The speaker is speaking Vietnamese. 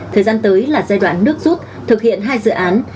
thời gian tới là giai đoạn nước rút thực hiện hai dự án